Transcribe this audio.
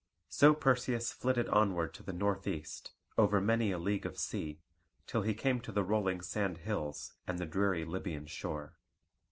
So Perseus flitted onward to the northeast, over many a league of sea, till he came to the rolling sand hills and the dreary Lybian shore.